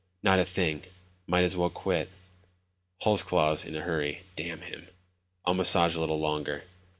"Not a thing. Might as well quit." Holsclaw's in a hurry. Damn him. "I'll massage a little longer."